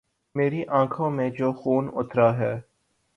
میری آنکھوں میں جو خون اترا ہے